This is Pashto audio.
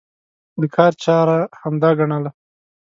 د کار چاره همدا ګڼله.